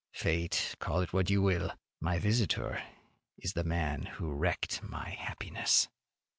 Fate, call it what you will, my visitor is the man who wrecked my happiness.